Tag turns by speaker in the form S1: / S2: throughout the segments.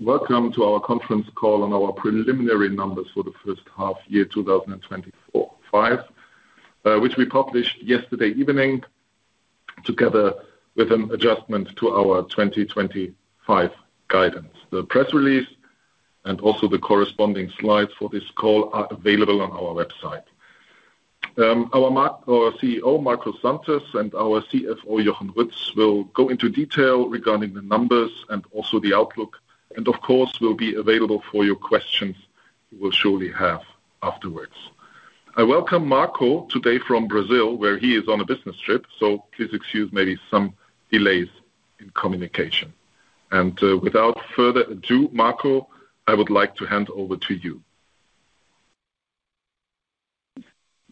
S1: Welcome to our conference call on our preliminary numbers for the first half year 2025, which we published yesterday evening together with an adjustment to our 2025 guidance. The press release and also the corresponding slides for this call are available on our website. Our CEO, Marco Santos, and our CFO, Jochen Ruetz, will go into detail regarding the numbers and also the outlook, and of course, will be available for your questions you will surely have afterwards. I welcome Marco today from Brazil, where he is on a business trip. Please excuse maybe some delays in communication. Without further ado, Marco, I would like to hand over to you.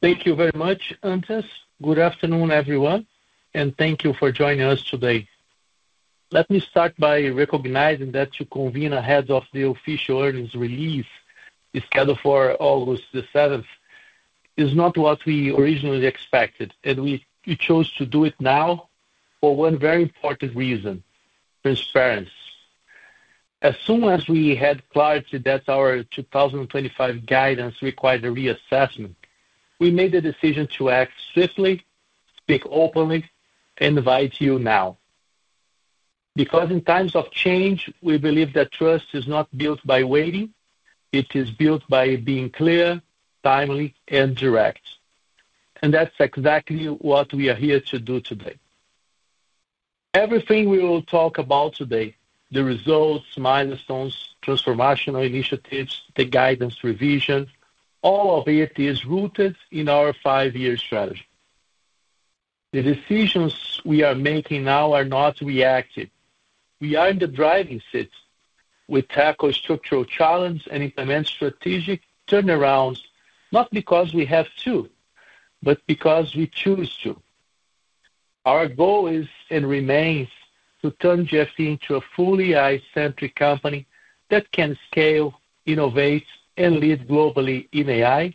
S2: Thank you very much, Andreas. Good afternoon, everyone, thank you for joining us today. Let me start by recognizing that to convene ahead of the official earnings release is scheduled for August 7th is not what we originally expected. We chose to do it now for one very important reason: transparency. As soon as we had clarity that our 2025 guidance required a reassessment, we made the decision to act swiftly, speak openly, and invite you now. In times of change, we believe that trust is not built by waiting. It is built by being clear, timely and direct. That's exactly what we are here to do today. Everything we will talk about today, the results, milestones, transformational initiatives, the guidance revisions, all of it is rooted in our five-year strategy. The decisions we are making now are not reactive. We are in the driving seat. We tackle structural challenges and implement strategic turnarounds, not because we have to, but because we choose to. Our goal is and remains to turn GFT into a fully AI-centric company that can scale, innovate, and lead globally in AI,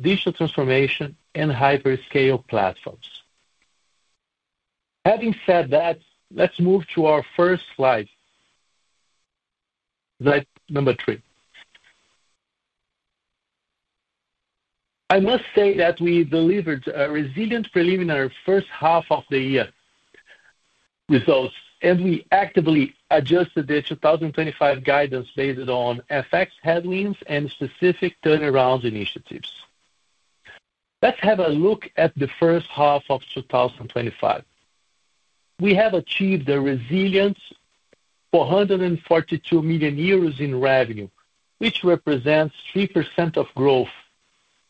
S2: digital transformation and hyperscale platforms. Having said that, let's move to our first slide. Slide number three. I must say that we delivered a resilient preliminary first half of the year results, and we actively adjusted the 2025 guidance based on FX headwinds and specific turnaround initiatives. Let's have a look at the first half of 2025. We have achieved a resilience 442 million euros in revenue, which represents 3% of growth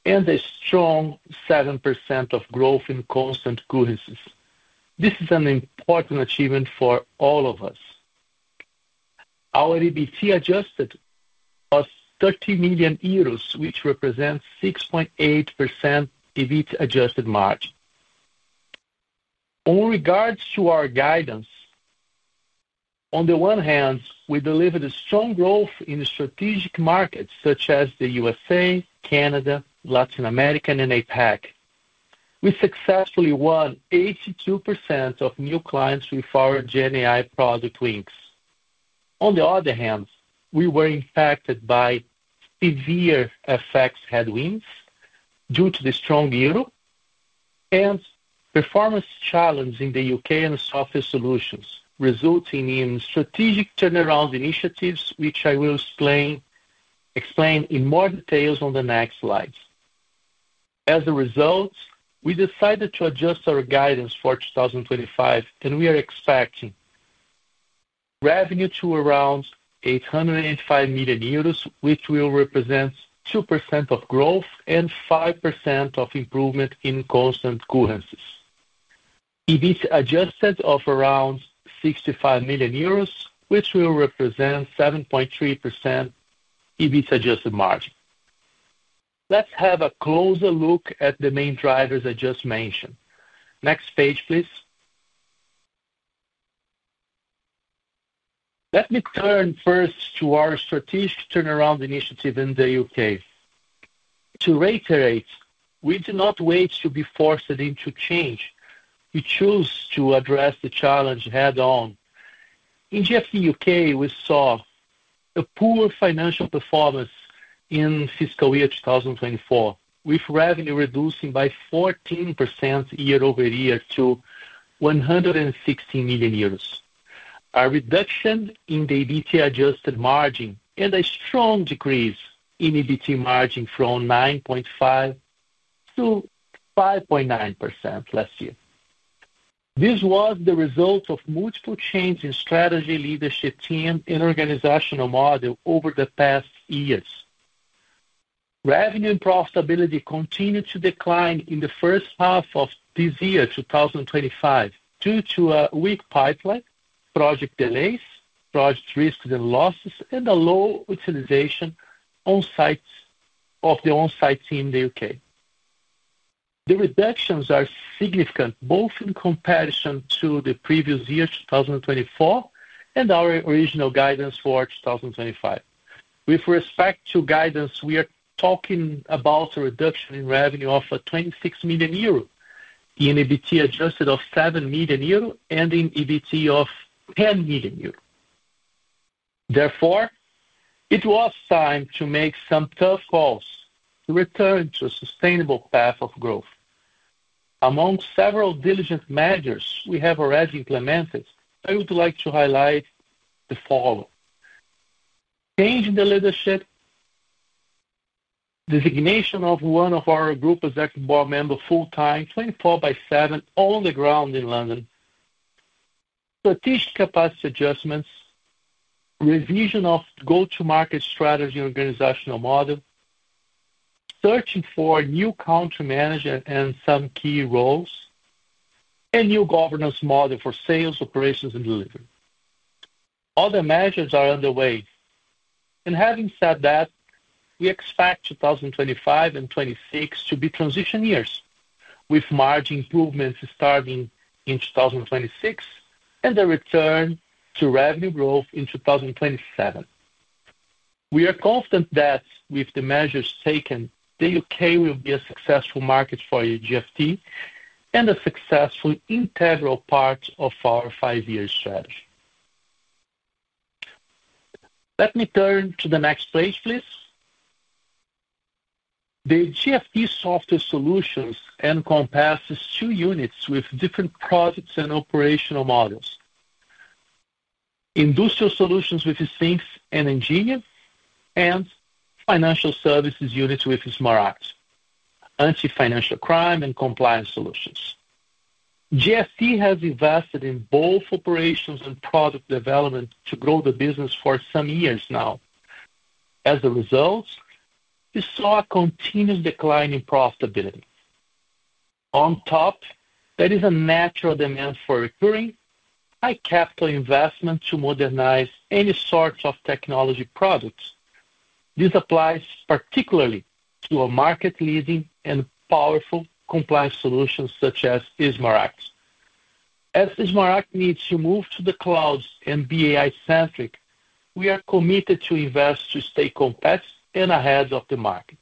S2: and a strong 7% of growth in constant currencies. This is an important achievement for all of us. Our EBT adjusted was 30 million euros, which represents 6.8% EBIT adjusted margin. On regards to our guidance, on the one hand, we delivered a strong growth in strategic markets such as the U.S.A., Canada, Latin American and APAC. We successfully won 82% of new clients with our GenAI product Wynxx. On the other hand, we were impacted by severe FX headwinds due to the strong euro and performance challenge in the U.K. and Software Solutions, resulting in strategic turnaround initiatives, which I will explain in more details on the next slides. As a result, we decided to adjust our guidance for 2025, we are expecting revenue to around 805 million euros, which will represent 2% of growth and 5% of improvement in constant currencies. EBIT adjusted of around 65 million euros, which will represent 7.3% EBIT adjusted margin. Let's have a closer look at the main drivers I just mentioned. Next page, please. Let me turn first to our strategic turnaround initiative in the U.K. To reiterate, we do not wait to be forced into change. We choose to address the challenge head on. In GFT U.K., we saw a poor financial performance in fiscal year 2024, with revenue reducing by 14% year-over-year to 160 million euros. A reduction in the EBT adjusted margin and a strong decrease in EBT margin from 9.5% to 5.9% last year. This was the result of multiple changes in strategy leadership team and organizational model over the past years. Revenue and profitability continued to decline in the first half of this year, 2025, due to a weak pipeline, project delays, project risks and losses, and a low utilization of the on-site team in the U.K. The reductions are significant both in comparison to the previous year, 2024, and our original guidance for 2025. With respect to guidance, we are talking about a reduction in revenue of 26 million euro. In adjusted EBT of 7 million euro and in EBT of 10 million euro. Therefore it was time to make some tough calls to return to a sustainable path of growth. Among several diligent measures we have already implemented, I would like to highlight the following. Change in the leadership, designation of one of our group executive board member full-time, 24 by 7 on the ground in London. Strategic capacity adjustments. Revision of go-to-market strategy organizational model. Searching for new country manager and some key roles, and new governance model for sales, operations, and delivery. Other measures are underway. Having said that, we expect 2025 and 2026 to be transition years, with margin improvements starting in 2026 and the return to revenue growth in 2027. We are confident that with the measures taken, the U.K. will be a successful market for GFT and a successful integral part of our five-year strategy. Let me turn to the next page, please. The GFT Software Solutions encompasses two units with different products and operational models. Industrial solutions with SPHINX and Engineer, and financial services units with Smaragd, anti-financial crime and compliance solutions. GFT has invested in both operations and product development to grow the business for some years now. As a result, we saw a continuous decline in profitability. On top, there is a natural demand for recurring high capital investment to modernize any sorts of technology products. This applies particularly to a market-leading and powerful compliance solutions such as Smaragd. As Smaragd needs to move to the cloud and be AI-centric, we are committed to invest to stay competitive and ahead of the market.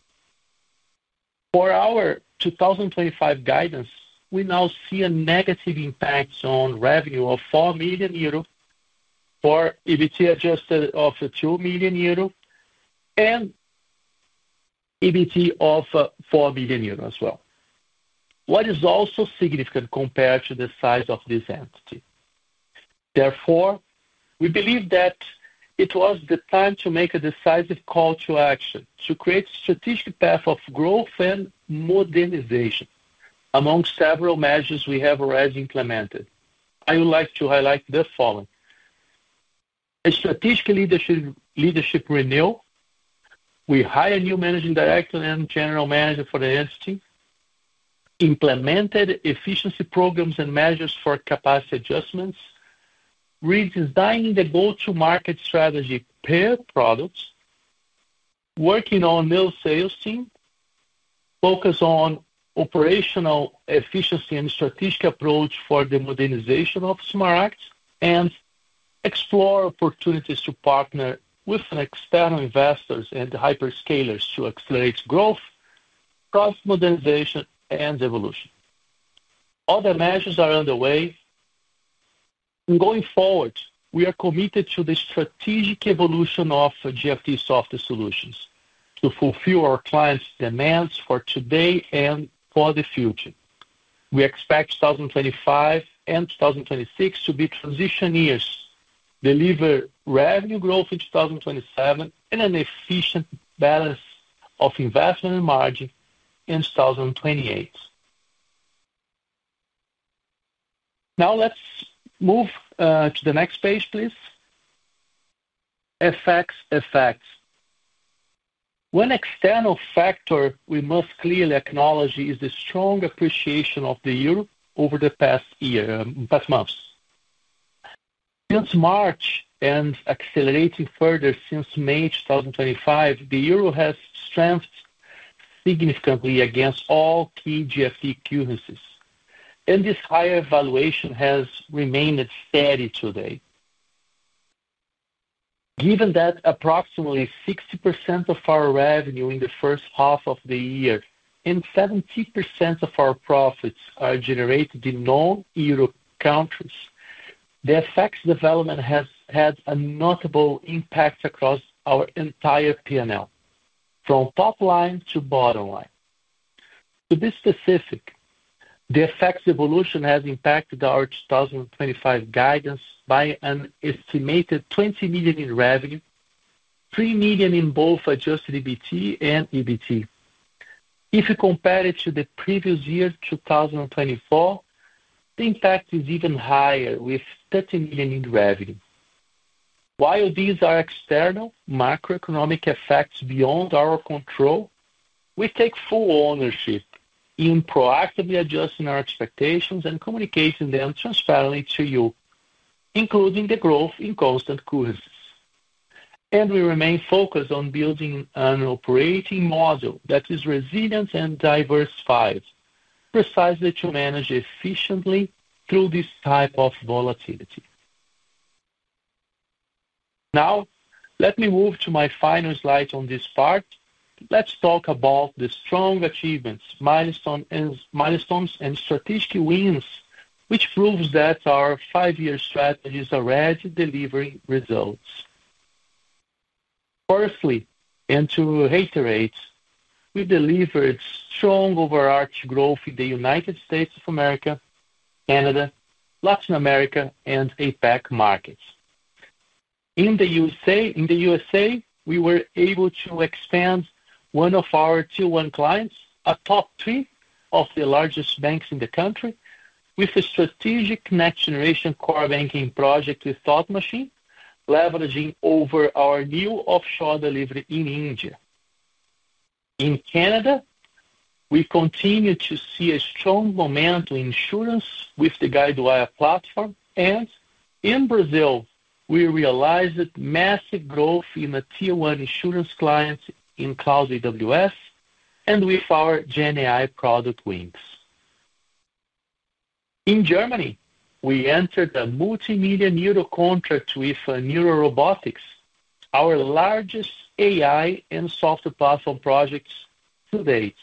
S2: For our 2025 guidance, we now see a negative impact on revenue of 4 million euro for adjusted EBT of 2 million euro and EBT of 4 million euro as well. What is also significant compared to the size of this entity. We believe that it was the time to make a decisive call to action to create strategic path of growth and modernization. Among several measures we have already implemented, I would like to highlight the following. A strategic leadership renewal. We hire new managing director and general manager for the entity, implemented efficiency programs and measures for capacity adjustments, redesigning the go-to-market strategy per products, working on new sales team, focus on operational efficiency and strategic approach for the modernization of Smaragd, and explore opportunities to partner with external investors and hyperscalers to accelerate growth, cost modernization and evolution. Other measures are underway. Going forward, we are committed to the strategic evolution of GFT Software Solutions to fulfill our clients' demands for today and for the future. We expect 2025 and 2026 to be transition years, deliver revenue growth in 2027 and an efficient balance of investment margin in 2028. Let's move to the next page, please. FX effects. One external factor we must clearly acknowledge is the strong appreciation of the euro over the past year, past months. Since March and accelerating further since May 2025, the euro has strengthened significantly against all key GFT currencies, and this higher valuation has remained steady today. Given that approximately 60% of our revenue in the first half of the year and 70% of our profits are generated in non-euro countries, the effects development has had a notable impact across our entire P&L, from top line to bottom line. To be specific, the effects evolution has impacted our 2025 guidance by an estimated 20 million in revenue, 3 million in both adjusted EBT and EBT. If you compare it to the previous year, 2024, the impact is even higher with 30 million in revenue. While these are external macroeconomic effects beyond our control, we take full ownership in proactively adjusting our expectations and communicating them transparently to you, including the growth in constant currencies. We remain focused on building an operating model that is resilient and diversified. Precisely to manage efficiently through this type of volatility. Now, let me move to my final slide on this part. Let's talk about the strong achievements, milestones, and strategic wins, which proves that our five-year strategy is already delivering results. Firstly, to reiterate, we delivered strong overarching growth in the United States of America, Canada, Latin America, and APAC markets. In the USA, we were able to expand one of our Tier-1 clients, a top three of the largest banks in the country with a strategic next generation core banking project with Thought Machine, leveraging over our new offshore delivery in India. In Canada, we continue to see a strong momentum in insurance with the Guidewire platform. In Brazil, we realized massive growth in a Tier-1 insurance client in cloud AWS and with our GenAI product Wynxx. In Germany, we entered a multi-million EUR contract with NEURA Robotics, our largest AI and software platform project to date.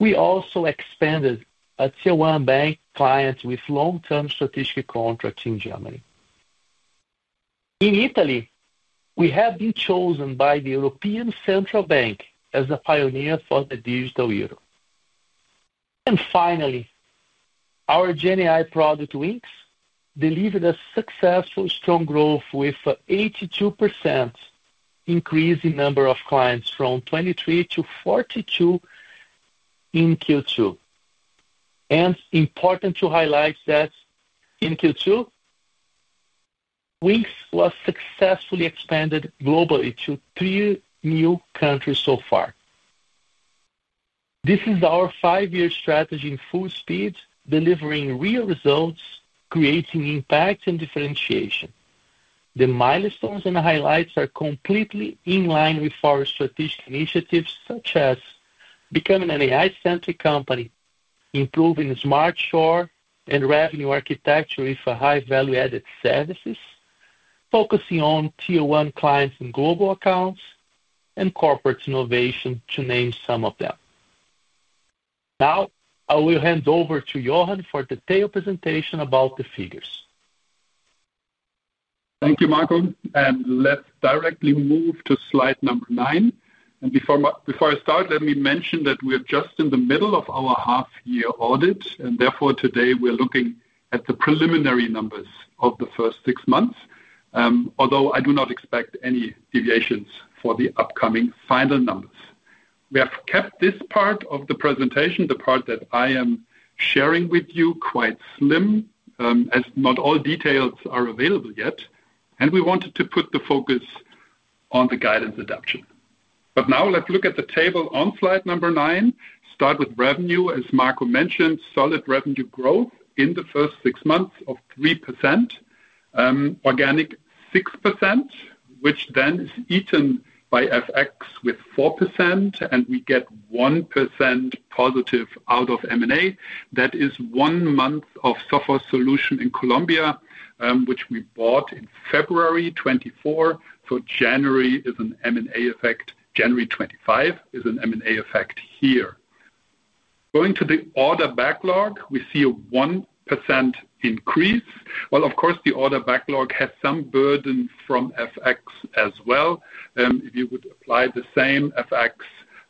S2: We also expanded a Tier-1 bank client with long-term strategic contract in Germany. In Italy, we have been chosen by the European Central Bank as a pioneer for the digital euro. Finally, our GenAI product Wynxx delivered a successful strong growth with 82% increase in number of clients from 23 to 42 in Q2. Important to highlight that in Q2, Wynxx was successfully expanded globally to three new countries so far. This is our five-year strategy in full speed, delivering real results, creating impact and differentiation. The milestones and highlights are completely in line with our strategic initiatives, such as becoming an AI-centric company, improving smart shore and revenue architecture with a high value-added services, focusing on Tier-1 clients and global accounts, and corporate innovation, to name some of them. Now, I will hand over to Jochen for detailed presentation about the figures.
S3: Thank you, Marco. Let's directly move to slide number nine. Before I start, let me mention that we're just in the middle of our half year audit, and therefore, today we're looking at the preliminary numbers of the first six months. Although I do not expect any deviations for the upcoming final numbers. We have kept this part of the presentation, the part that I am sharing with you, quite slim, as not all details are available yet, and we wanted to put the focus on the guidance adaptation. Now let's look at the table on slide number nine. Start with revenue. As Marco mentioned, solid revenue growth in the first six months of 3%. Organic 6%, which then is eaten by FX with 4%, and we get 1% positive out of M&A. That is one month of GFT Software Solutions in Colombia, which we bought in February 2024. January is an M&A effect. January 2025 is an M&A effect here. Going to the order backlog, we see a 1% increase. Of course, the order backlog has some burden from FX as well. If you would apply the same FX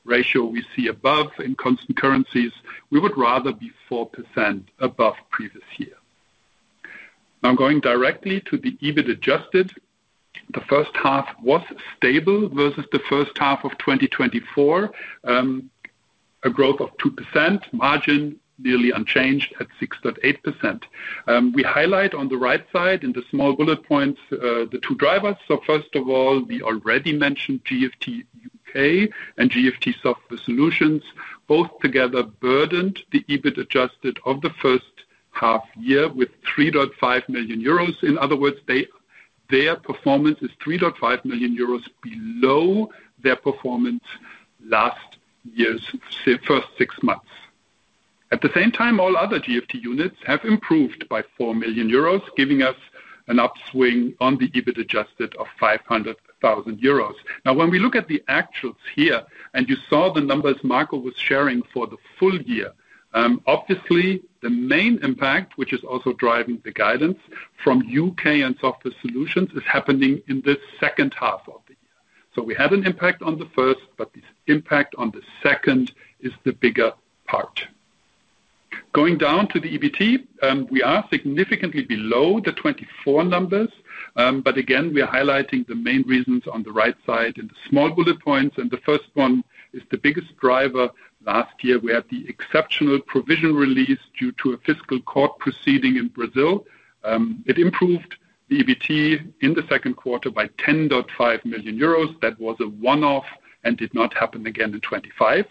S3: ratio we see above in constant currencies, we would rather be 4% above previous year. Going directly to the adjusted EBIT. The first half was stable versus the first half of 2024. A growth of 2%. Margin nearly unchanged at 6.8%. We highlight on the right side in the small bullet points, the two drivers. First of all, the already mentioned GFT U.K. and GFT Software Solutions, both together burdened the adjusted EBIT of the first half year with 3.5 million euros. In other words, their performance is 3.5 million euros below their performance last year's first six months. At the same time, all other GFT units have improved by 4 million euros, giving us an upswing on the adjusted EBIT of 500,000 euros. When we look at the actuals here, and you saw the numbers Marco was sharing for the full year, obviously the main impact, which is also driving the guidance from U.K. and Software Solutions, is happening in the second half of the year. We had an impact on the first, but the impact on the second is the bigger part. Going down to the EBT, we are significantly below the 2024 numbers. Again, we are highlighting the main reasons on the right side in the small bullet points. The first one is the biggest driver. Last year, we had the exceptional provision release due to a fiscal court proceeding in Brazil. It improved the EBT in the 2nd quarter by 10.5 million euros. That was a one-off and did not happen again in 2025.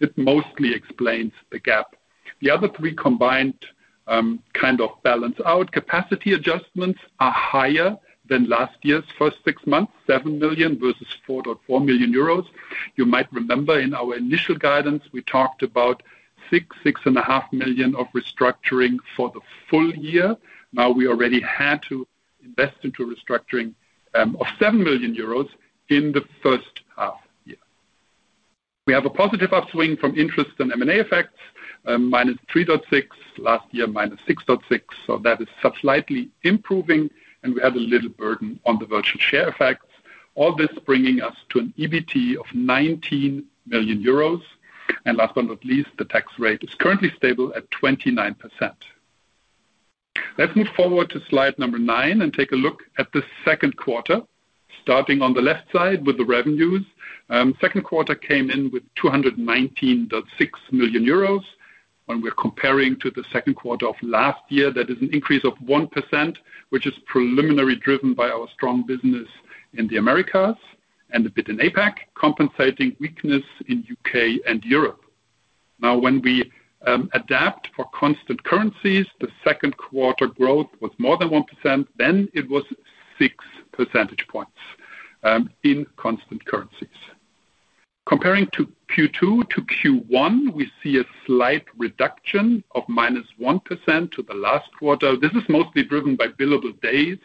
S3: It mostly explains the gap. The other three combined kind of balance out. Capacity adjustments are higher than last year's first six months, 7 million versus 4.4 million euros. You might remember in our initial guidance we talked about 6 million-6.5 million of restructuring for the full year. We already had to invest into restructuring of 7 million euros in the first half year. We have a positive upswing from interest and M&A effects, minus 3.6. Last year, -6.6. That is slightly improving and we have a little burden on the virtual share effects. All this bringing us to an EBT of 19 million euros. Last but not least, the tax rate is currently stable at 29%. Let's move forward to slide number nine and take a look at the second quarter. Starting on the left side with the revenues, second quarter came in with 219.6 million euros. When we're comparing to the second quarter of last year, that is an increase of 1%, which is preliminary driven by our strong business in the Americas and a bit in APAC, compensating weakness in U.K. and Europe. When we adapt for constant currencies, the second quarter growth was more than 1%, then it was six percentage points in constant currencies. Comparing to Q2 to Q1, we see a slight reduction of -1% to the last quarter. This is mostly driven by billable days.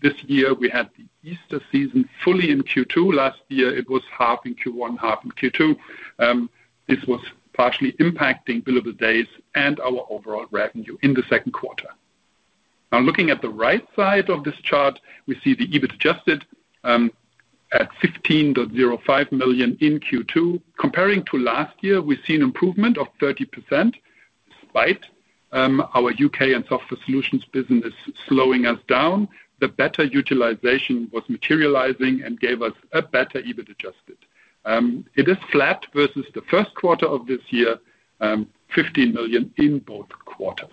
S3: This year we had the Easter season fully in Q2. Last year it was half in Q1, half in Q2. This was partially impacting billable days and our overall revenue in the second quarter. Looking at the right side of this chart, we see the adjusted EBIT at 15.05 million in Q2. Comparing to last year, we've seen improvement of 30% despite our U.K. and GFT Software Solutions business slowing us down. The better utilization was materializing and gave us a better adjusted EBIT. It is flat versus the first quarter of this year, 15 million in both quarters.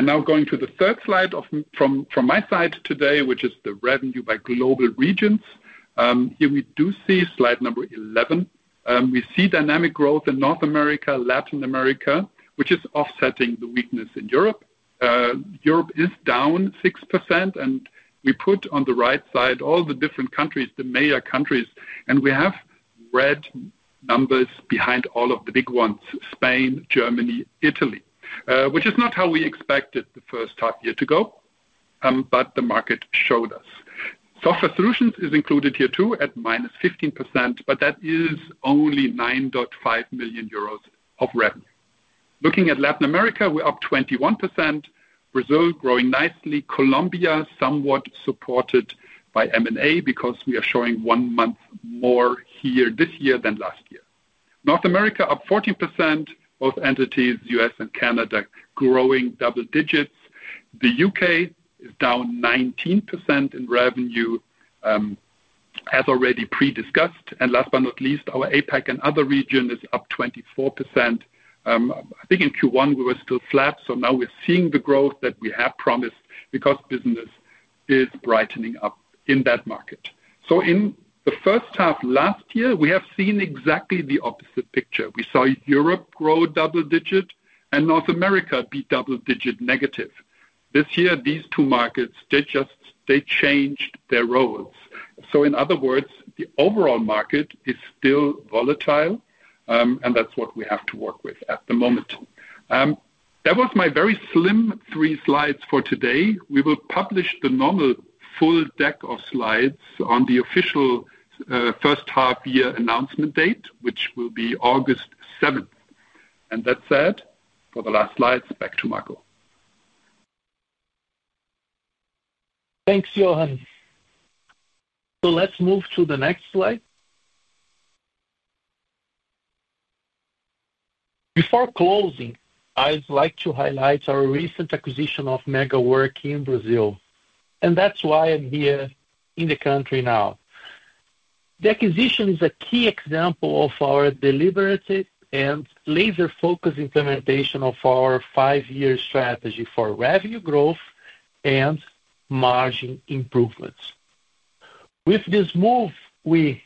S3: Now going to the third slide from my side today, which is the revenue by global regions. Here we do see slide number 11. We see dynamic growth in North America, Latin America, which is offsetting the weakness in Europe. Europe is down 6%, and we put on the right side all the different countries, the major countries, and we have red numbers behind all of the big ones: Spain, Germany, Italy. Which is not how we expected the first half year to go, but the market showed us. Software Solutions is included here too at -15%, but that is only 9.5 million euros of revenue. Looking at Latin America, we're up 21%. Brazil growing nicely. Colombia, somewhat supported by M&A because we are showing one month more here this year than last year. North America up 14%. Both entities, U.S. and Canada, growing double digits. The U.K. is down 19% in revenue, as already pre-discussed. Last but not least, our APAC and other region is up 24%. I think in Q1 we were still flat, now we're seeing the growth that we have promised because business is brightening up in that market. In the first half last year, we have seen exactly the opposite picture. We saw Europe grow double digit and North America be double digit negative. This year, these two markets, they changed their roles. In other words, the overall market is still volatile, and that's what we have to work with at the moment. That was my very slim three slides for today. We will publish the normal full deck of slides on the official first half year announcement date, which will be August 7th. That said, for the last slide, back to Marco.
S2: Thanks, Jochen. Let's move to the next slide. Before closing, I'd like to highlight our recent acquisition of Megawork in Brazil, and that's why I'm here in the country now. The acquisition is a key example of our deliberative and laser-focused implementation of our five-year strategy for revenue growth and margin improvements. With this move, we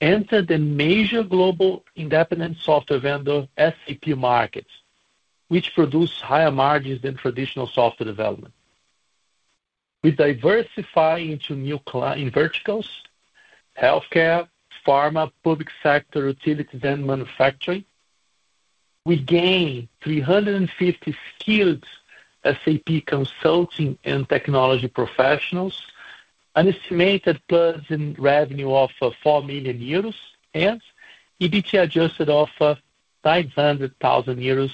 S2: enter the major global independent software vendor SAP markets, which produce higher margins than traditional software development. We diversify in verticals: healthcare, pharma, public sector, utility, then manufacturing. We gain 350 skilled SAP consulting and technology professionals, an estimated plus in revenue of 4 million euros and EBT adjusted of 900,000 euros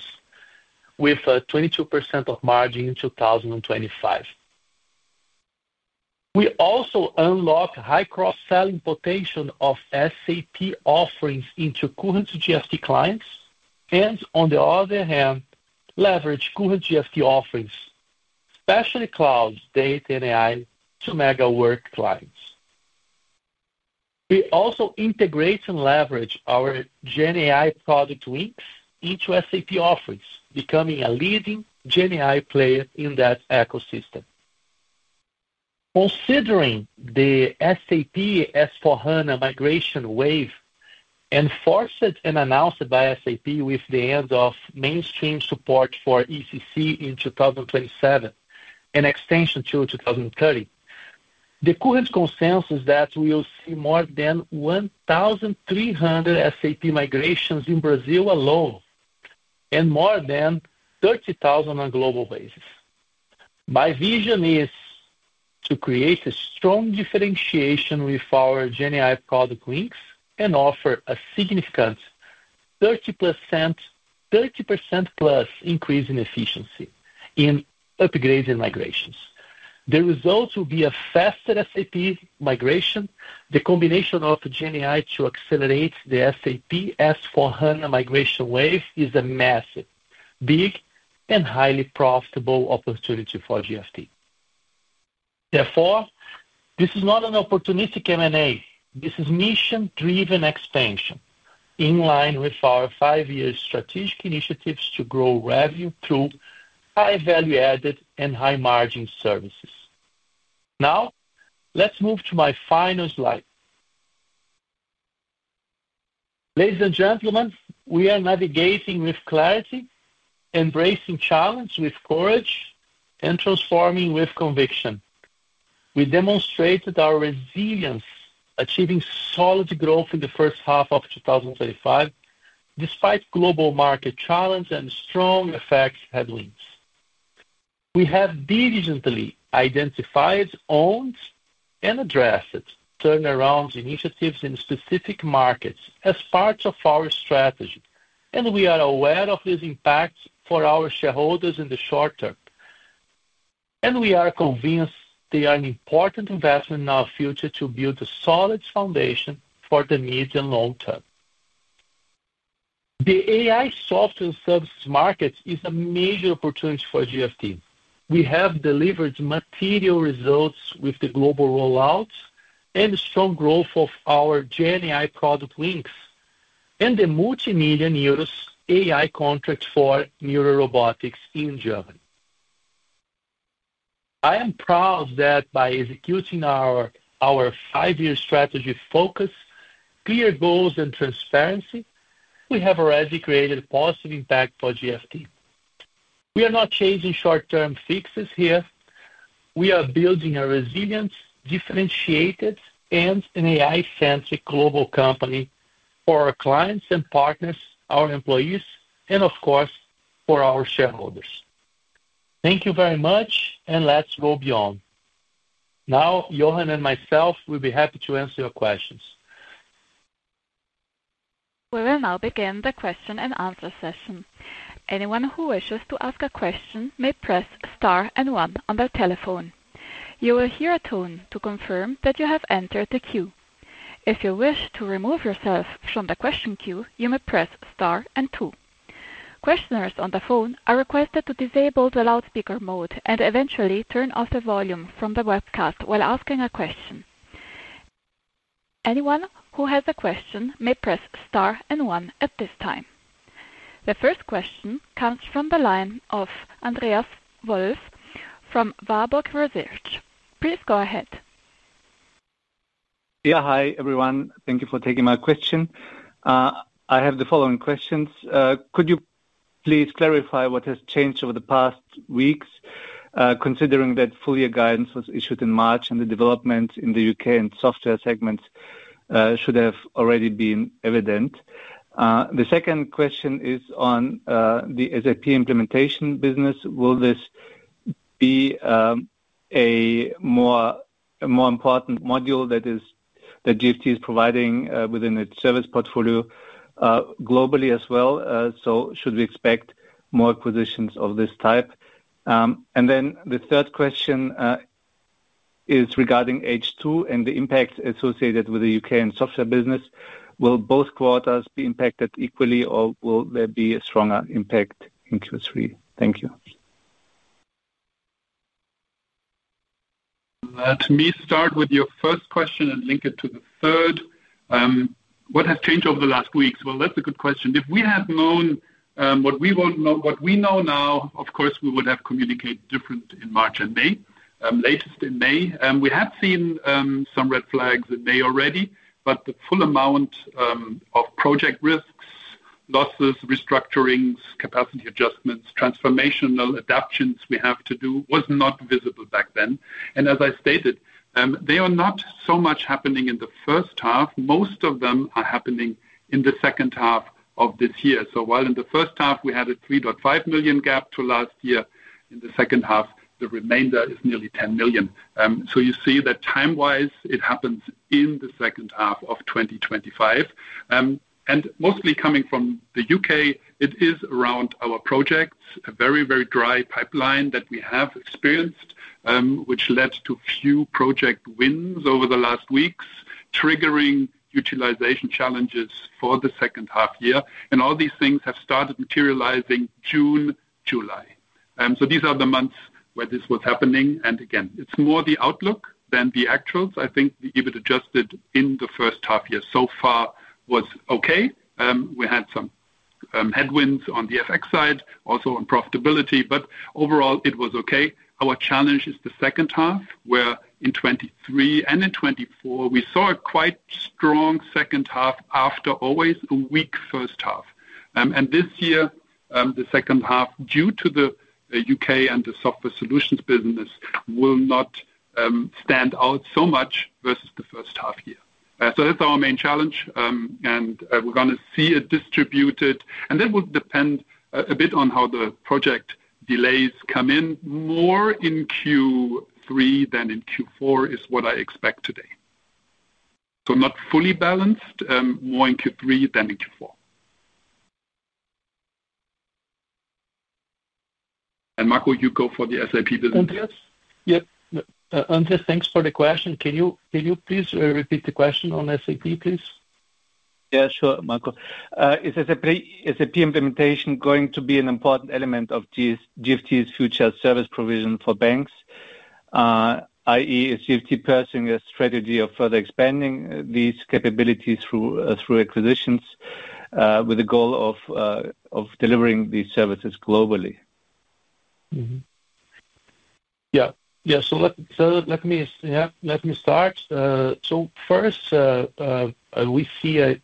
S2: with a 22% of margin in 2025. We also unlock high cross-selling potential of SAP offerings into current GFT clients and, on the other hand, leverage current GFT offerings, especially cloud, data, and AI, to Megawork clients. We also integrate and leverage our GenAI product Wynxx into SAP offerings, becoming a leading GenAI player in that ecosystem. Considering the SAP S/4HANA migration wave enforced and announced by SAP with the end of mainstream support for ECC in 2027 and extension to 2030. The current consensus that we will see more than 1,300 SAP migrations in Brazil alone and more than 30,000 on global basis. My vision is to create a strong differentiation with our GenAI product Wynxx and offer a significant 30%+ increase in efficiency in upgrades and migrations. The results will be a faster SAP migration. The combination of GenAI to accelerate the SAP S/4HANA migration wave is a massive, big and highly profitable opportunity for GFT. This is not an opportunistic M&A. This is mission-driven expansion in line with our five-year strategic initiatives to grow revenue through high value added and high margin services. Let's move to my final slide. Ladies and gentlemen, we are navigating with clarity, embracing challenge with courage, and transforming with conviction. We demonstrated our resilience, achieving solid growth in the first half of 2025 despite global market challenge and strong FX headwinds. We have diligently identified, owned, and addressed turnaround initiatives in specific markets as part of our strategy. We are aware of these impacts for our shareholders in the short term. We are convinced they are an important investment in our future to build a solid foundation for the medium long term. The AI software and services market is a major opportunity for GFT. We have delivered material results with the global rollout and strong growth of our GenAI product Wynxx and the multimillion EUR AI contract for NEURA Robotics in Germany. I am proud that by executing our five-year strategy focus, clear goals and transparency, we have already created positive impact for GFT. We are not chasing short-term fixes here. We are building a resilient, differentiated and an AI-centric global company for our clients and partners, our employees, and of course, for our shareholders. Thank you very much and let's go beyond. Now Jochen and myself will be happy to answer your questions.
S4: We will now begin the question and answer session. Anyone who wishes to ask a question may press star and one on their telephone. You will hear a tone to confirm that you have entered the queue. If you wish to remove yourself from the question queue, you may press star and two. Questioners on the phone are requested to disable the loudspeaker mode and eventually turn off the volume from the webcast while asking a question. Anyone who has a question may press star and one at this time. The first question comes from the line of Andreas Wolf from Warburg Research. Please go ahead.
S5: Yeah. Hi everyone. Thank you for taking my question. I have the following questions. Could you please clarify what has changed over the past weeks, considering that full year guidance was issued in March and the development in the U.K. and software segments should have already been evident. The second question is on the SAP implementation business. Will this be a more important module that GFT is providing within its service portfolio globally as well? Should we expect more acquisitions of this type? The third question is regarding H2 and the impact associated with the U.K. and software business. Will both quarters be impacted equally or will there be a stronger impact in Q3? Thank you.
S3: Let me start with your first question and link it to the third. What has changed over the last weeks? Well, that's a good question. If we had known what we know now, of course, we would have communicated different in March and May, latest in May. We have seen some red flags in May already, but the full amount of project risks, losses, restructurings, capacity adjustments, transformational adaptions we have to do was not visible back then. As I stated, they are not so much happening in the first half. Most of them are happening in the second half of this year. While in the first half we had a 3.5 million gap to last year, in the second half the remainder is nearly 10 million. You see that time wise it happens in the second half of 2025. Mostly coming from the U.K. it is around our projects, a very, very dry pipeline that we have experienced, which led to few project wins over the last weeks, triggering utilization challenges for the second half year. All these things have started materializing June, July. These are the months where this was happening. Again, it's more the outlook than the actuals. I think the adjusted EBIT in the first half year so far was okay. We had some headwinds on the FX side, also on profitability, overall it was okay. Our challenge is the second half, where in 2023 and in 2024 we saw a quite strong second half after always a weak first half. This year, the second half, due to the U.K. and the Software Solutions business, will not stand out so much versus the first half year. That's our main challenge, we're gonna see it distributed. That will depend a bit on how the project delays come in. More in Q3 than in Q4 is what I expect today. Not fully balanced, more in Q3 than in Q4. Marco, you go for the SAP business.
S2: Andreas? Yeah. Andreas, thanks for the question. Can you please repeat the question on SAP, please?
S3: Yeah, sure, Marco. Is SAP implementation going to be an important element of GFT's future service provision for banks? I.e., is GFT pursuing a strategy of further expanding these capabilities through acquisitions, with the goal of delivering these services globally?
S2: Yeah. Yeah, let me start. First, we see a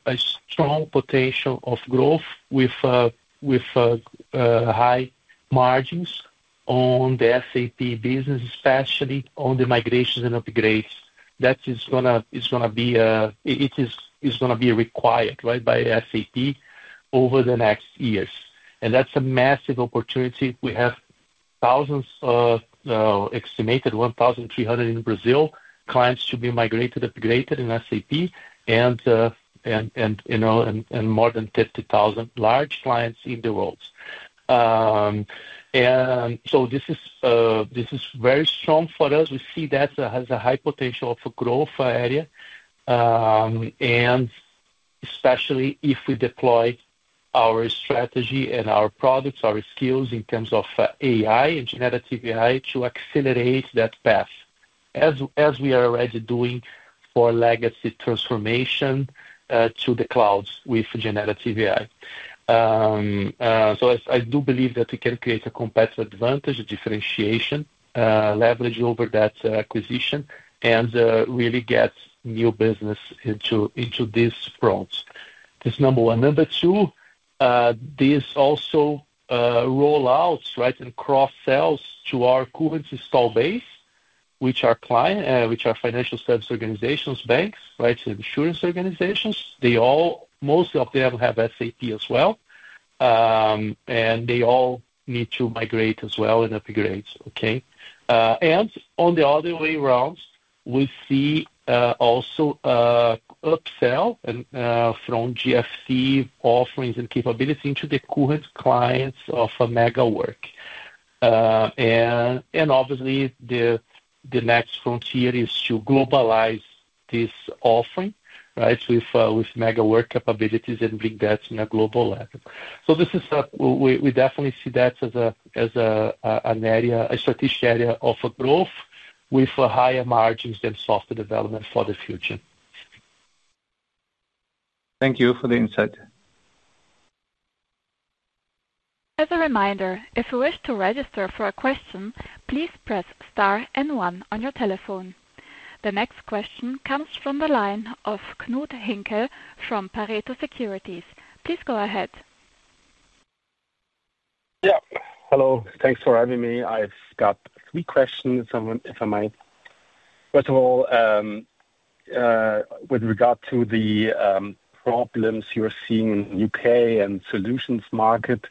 S2: strong potential of growth with high margins on the SAP business, especially on the migrations and upgrades. That is gonna be required, right, by SAP over the next years, and that's a massive opportunity. We have thousands of estimated 1,300 in Brazil, clients to be migrated, upgraded in SAP and, you know, more than 50,000 large clients in the world. This is very strong for us. We see that as a high potential of growth area, and especially if we deploy our strategy and our products, our skills in terms of AI and generative AI to accelerate that path, as we are already doing for legacy transformation to the clouds with generative AI. I do believe that we can create a competitive advantage, a differentiation, leverage over that acquisition and really get new business into these fronts. That's number one. Number two, these also roll-outs, right, and cross-sells to our current install base, which are financial service organizations, banks, right? Insurance organizations. Most of them have SAP as well. They all need to migrate as well and upgrade, okay? On the other way around, we see also upsell and from GFT offerings and capability into the current clients of Megawork. Obviously the next frontier is to globalize this offering, right? With Megawork capabilities and bring that in a global level. This is, we definitely see that as an area, a strategic area of growth with higher margins than software development for the future.
S5: Thank you for the insight.
S4: As a reminder, if you wish to register for a question, please press star and one on your telephone. The next question comes from the line of Knud Hinkel from Pareto Securities. Please go ahead.
S6: Hello. Thanks for having me. I've got three questions if I might. First of all, with regard to the problems you're seeing in U.K. and solutions market,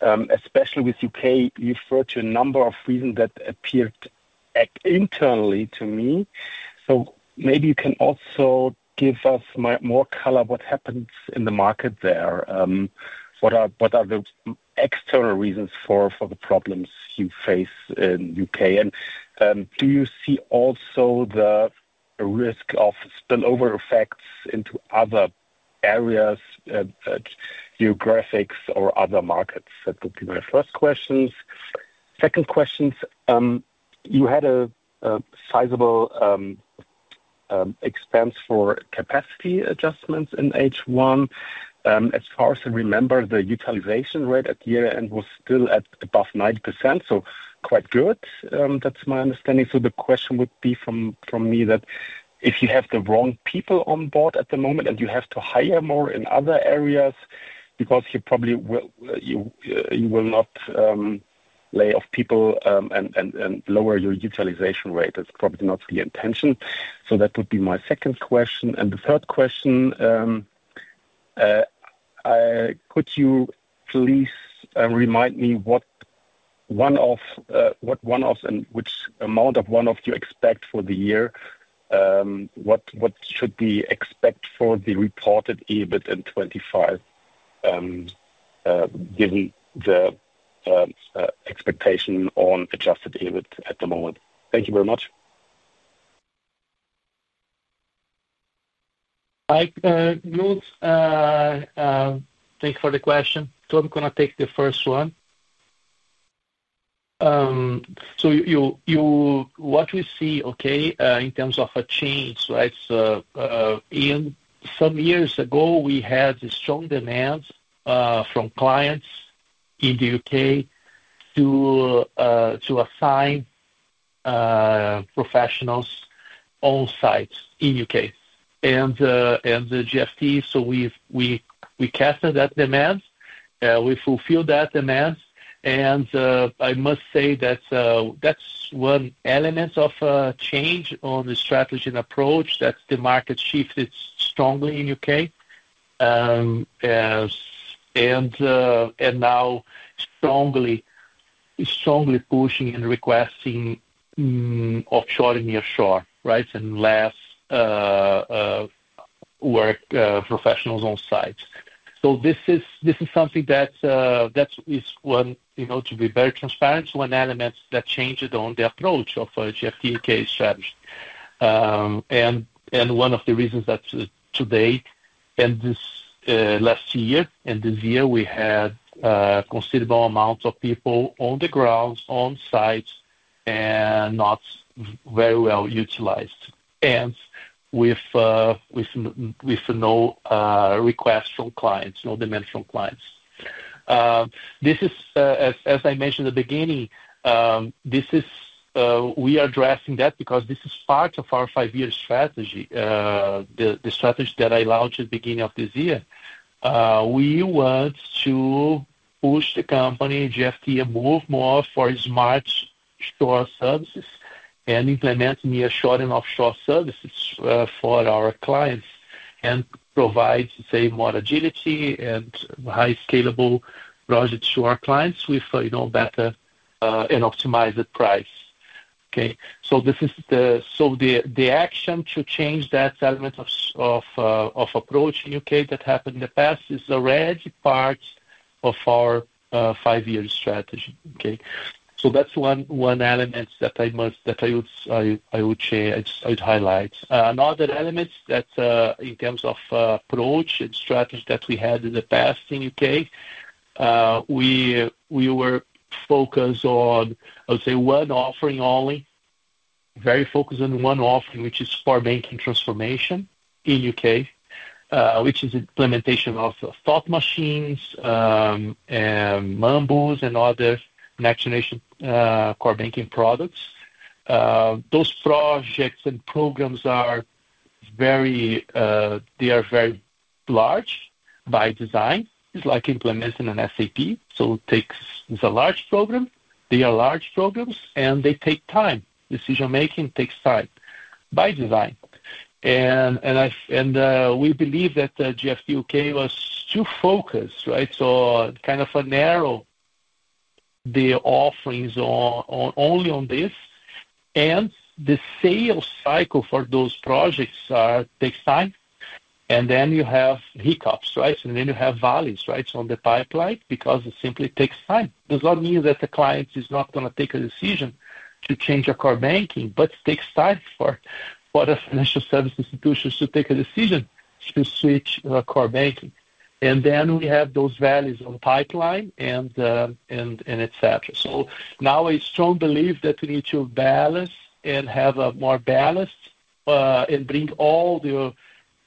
S6: especially with U.K., you referred to a number of reasons that appeared internally to me. Maybe you can also give us more color what happens in the market there. What are the external reasons for the problems you face in U.K.? Do you see also the risk of spillover effects into other areas, geographics or other markets? That would be my first questions. Second questions, you had a sizable expense for capacity adjustments in H1. As far as I remember, the utilization rate at year-end was still at above 90%, quite good. That's my understanding. The question would be from me that if you have the wrong people on board at the moment and you have to hire more in other areas, because you probably will, you will not lay off people and lower your utilization rate. That's probably not the intention. That would be my second question. The third question, could you please remind me what one-offs and which amount of one-off do you expect for the year? What should we expect for the reported EBIT in 2025, given the expectation on adjusted EBIT at the moment? Thank you very much.
S2: Hi, Knud. Thank you for the question. I'm going to take the first one. What we see in terms of a change, right? In some years ago, we had a strong demand from clients in the U.K. to assign professionals on sites in U.K. and the GFT. We've captured that demand, we fulfilled that demand. I must say that that's one element of change on the strategy and approach, that the market shifted strongly in U.K. Now strongly pushing and requesting offshoring nearshore, right? Less work professionals on site. This is something that is one, you know, to be very transparent, one element that changed on the approach of GFT U.K. strategy. And one of the reasons that today and this last year and this year, we had a considerable amount of people on the ground, on site and not very well utilized. With no request from clients, no demand from clients. This is, as I mentioned at the beginning, this is, we are addressing that because this is part of our five-year strategy. The strategy that I launched at the beginning of this year. We want to push the company, GFT, move more for smart shore services and implement nearshoring offshore services for our clients and provide more agility and high scalable projects to our clients with, you know, better and optimized price. This is the action to change that element of approach in U.K. that happened in the past is already part of our five-year strategy. That's one element that I would highlight. Another element that, in terms of approach and strategy that we had in the past in U.K., we were focused on, I would say one offering only, very focused on one offering, which is core banking transformation in U.K., which is implementation of Thought Machine, Mambu and other next generation core banking products. Those projects and programs are very, they are very large by design. It's like implementing an SAP. It's a large program. They are large programs, and they take time. Decision-making takes time by design. We believe that GFT U.K. was too focused, right? Kind of a narrow the offerings on only on this and the sales cycle for those projects takes time. Then you have hiccups, right? Then you have valleys, right? On the pipeline, because it simply takes time. It does not mean that the client is not gonna take a decision to change a core banking, but it takes time for the financial service institutions to take a decision to switch core banking. We have those valleys on pipeline and et cetera. Now a strong belief that we need to balance and have a more balanced and bring all the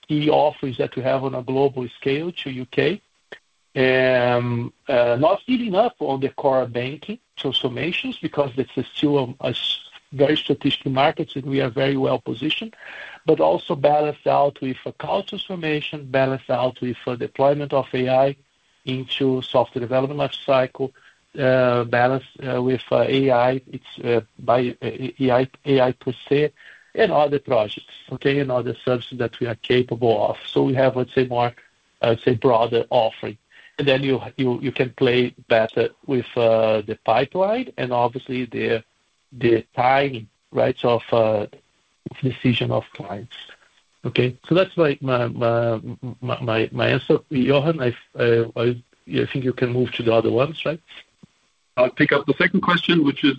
S2: key offerings that we have on a global scale to U.K. Not giving up on the core banking transformations, because this is still a very strategic market, and we are very well positioned, but also balanced out with a cloud transformation, balanced out with a deployment of AI into software development lifecycle, balanced with AI. It's by AI per se, and other projects, okay? Other services that we are capable of. We have, let's say, more, let's say broader offering. Then you, you can play better with the pipeline and obviously the timing of decision of clients, right? Okay, that's my, my, my answer. Jochen, I think you can move to the other ones, right?
S3: I'll pick up the second question, which is,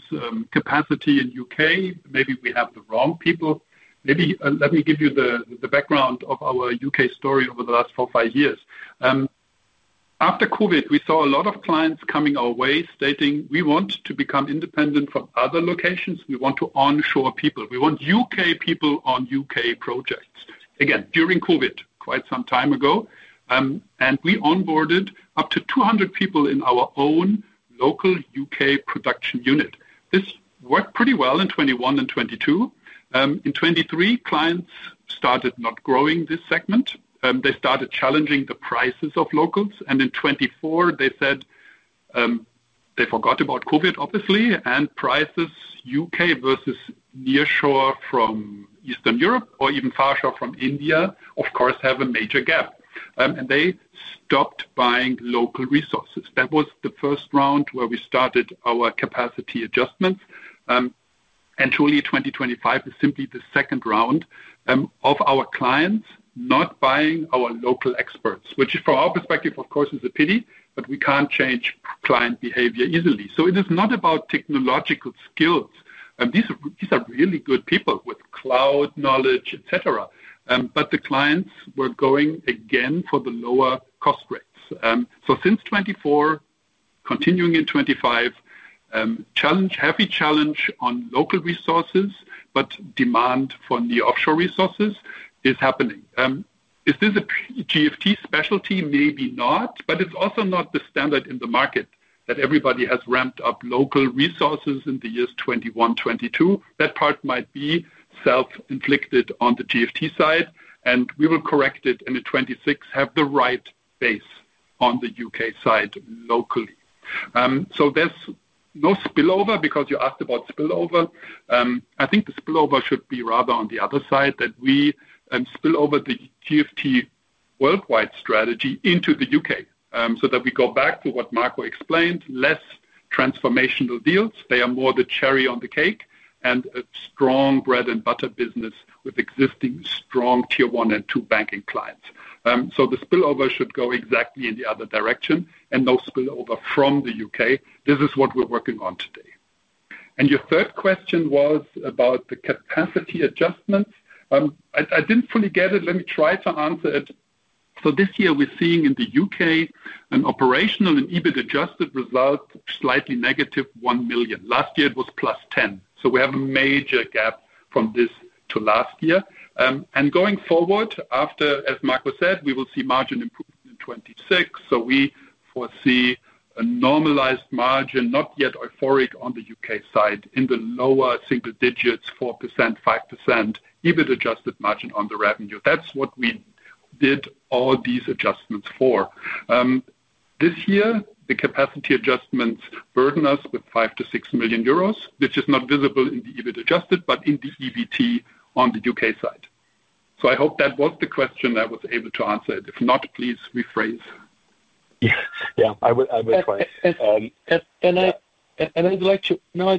S3: capacity in U.K. Maybe we have the wrong people. Maybe, let me give you the background of our U.K. story over the last four, five years. After COVID, we saw a lot of clients coming our way stating we want to become independent from other locations. We want to onshore people. We want U.K. people on U.K. projects. Again, during COVID, quite some time ago. We onboarded up to 200 people in our own local U.K. production unit. This worked pretty well in 2021 and 2022. In 2023, clients started not growing this segment. They started challenging the prices of locals. In 2024 they said, they forgot about COVID, obviously, and prices U.K. versus nearshore from Eastern Europe or even far shore from India, of course, have a major gap. They stopped buying local resources. That was the first round where we started our capacity adjustments. Truly 2025 is simply the second round, of our clients not buying our local experts, which from our perspective of course is a pity, but we can't change client behavior easily. It is not about technological skills and these are really good people with cloud knowledge, et cetera. The clients were going again for the lower cost rates. Since 2024, continuing in 2025, heavy challenge on local resources, but demand from the offshore resources is happening. Is this a GFT specialty? Maybe not, but it's also not the standard in the market that everybody has ramped up local resources in the years 2021, 2022. That part might be self-inflicted on the GFT side, and we will correct it in 2026, have the right base on the U.K. side locally. There's no spillover because you asked about spillover. I think the spillover should be rather on the other side, that we spill over the GFT worldwide strategy into the U.K., that we go back to what Marco explained, less transformational deals. They are more the cherry on the cake and a strong bread-and-butter business with existing strong Tier-1 and Tier-2 banking clients. The spillover should go exactly in the other direction and no spillover from the U.K. This is what we're working on today. Your third question was about the capacity adjustments. I didn't fully get it. Let me try to answer it. This year we're seeing in the U.K. an operational and adjusted EBIT result, -1 million. Last year it was +10 million. So we have major gap from this to last year. And going forward, after, as Marco said, we will see margin improvement in 2026. We foresee a normalized margin, not yet euphoric on the U.K. side, in the lower single digits, 4%, 5% adjusted EBIT margin on the revenue. That's what we did all these adjustments for. This year, the capacity adjustments burden us with 5 million to 6 million euros, which is not visible in the adjusted EBIT, but in the EBT on the U.K. side. I hope that was the question I was able to answer it. If not, please rephrase.
S6: Yeah. Yeah. I will try.
S2: And, and I-
S6: Yeah.
S2: I'd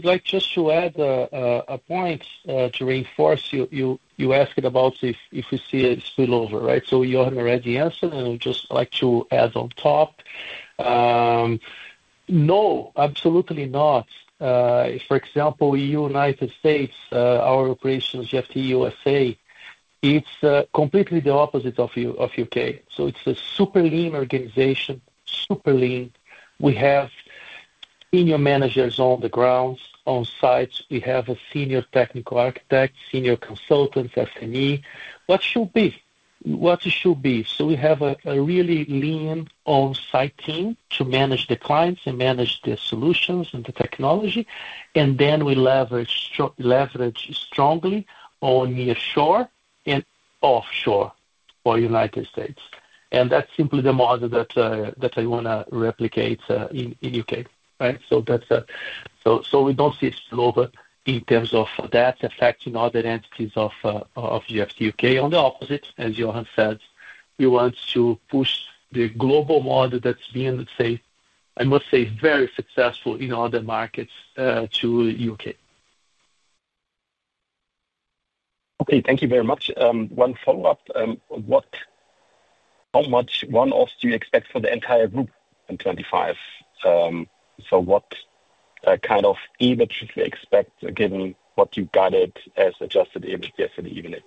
S2: like just to add a point to reinforce. You asked about if we see a spillover, right? Jochen already answered, and I would just like to add on top. No, absolutely not. For example, United States, our operations, GFT U.S.A., it's completely the opposite of U.K. It's a super lean organization, super lean. We have senior managers on the grounds, on sites. We have a senior technical architect, senior consultants, SME. What it should be. We have a really lean on-site team to manage the clients and manage the solutions and the technology. Then we leverage strongly on nearshore and offshore for United States. That's simply the model that I want to replicate in U.K., right? That's, we don't see a spillover in terms of that affecting other entities of GFT U.K. On the opposite, as Jochen said, we want to push the global model that's been, let's say, I must say, very successful in other markets, to U.K.
S6: Okay, thank you very much. One follow-up. How much one-offs do you expect for the entire group in 2025? What kind of EBIT should we expect given what you guided as adjusted EBIT yesterday evening?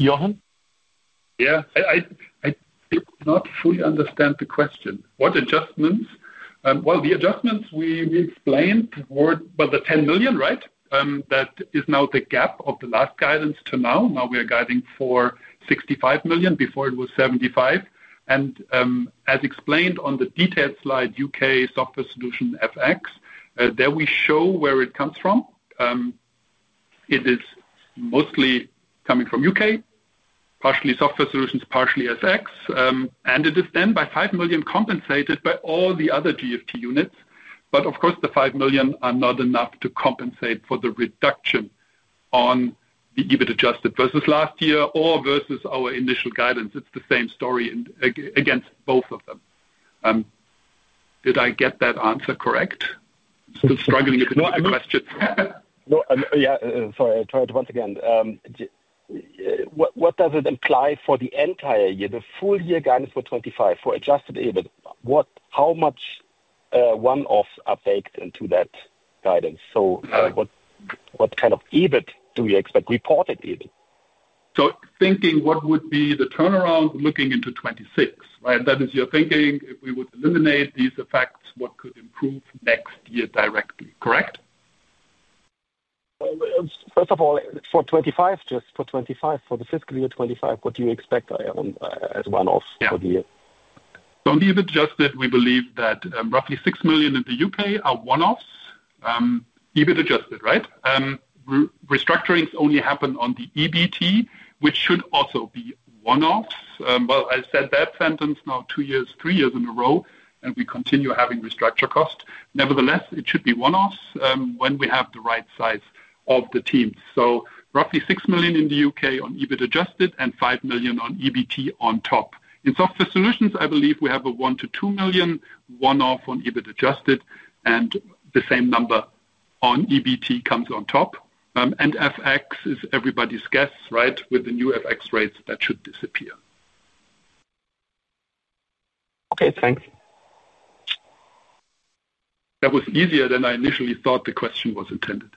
S2: Jochen?
S3: Yeah. I did not fully understand the question. What adjustments? Well, the adjustments we explained were 10 million, right? That is now the gap of the last guidance to now. We are guiding for 65 million, before it was 75 million. As explained on the detailed slide, U.K. software solution FX, there we show where it comes from. It is mostly coming from U.K., partially software solutions, partially FX. It is then by 5 million compensated by all the other GFT units. Of course, the 5 million are not enough to compensate for the reduction on the EBIT-adjusted versus last year or versus our initial guidance. It's the same story against both of them. Did I get that answer correct? Still struggling a bit with the question.
S6: No, yeah. Sorry, I'll try it once again. What, what does it imply for the entire year? The full year guidance for 2025, for adjusted EBIT, how much one-offs are baked into that guidance? What, what kind of EBIT do we expect, reported EBIT?
S3: Thinking what would be the turnaround looking into 2026, right? That is your thinking, if we would eliminate these effects, what could improve next year directly, correct?
S6: Well, first of all, for 2025, just for 2025, for the fiscal year 2025, what do you expect, on, as one-offs.
S3: Yeah
S6: ...for the year?
S3: On the adjusted EBIT, we believe that roughly 6 million in the U.K. are one-offs, adjusted EBIT, right? Restructurings only happen on the EBT, which should also be one-offs. Well, I said that sentence now two years, three years in a row, and we continue having restructure cost. Nevertheless, it should be one-offs when we have the right size of the team. Roughly 6 million in the U.K. on adjusted EBIT and 5 million on EBT on top. In Software Solutions, I believe we have a 1 million to 2 million one-off on adjusted EBIT, and the same number on EBT comes on top. FX is everybody's guess, right? With the new FX rates, that should disappear.
S6: Okay, thanks.
S3: That was easier than I initially thought the question was intended.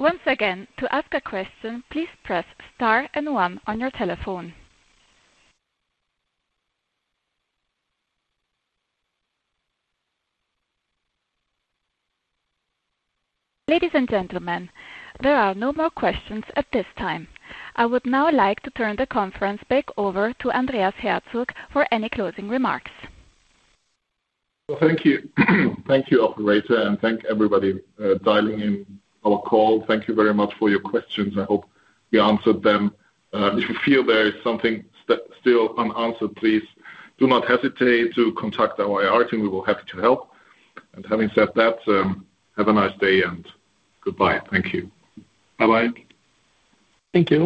S4: Once again, to ask a question, please press star and one on your telephone. Ladies and gentlemen, there are no more questions at this time. I would now like to turn the conference back over to Andreas Herzog for any closing remarks.
S1: Well, thank you. Thank you, operator, thank everybody dialing in our call. Thank you very much for your questions. I hope we answered them. If you feel there is something still unanswered, please do not hesitate to contact our IR team. We will be happy to help. Having said that, have a nice day, and goodbye. Thank you.
S2: Bye-bye.
S6: Thank you.